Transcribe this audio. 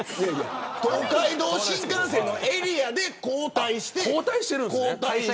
東海道新幹線のエリアで交代してる。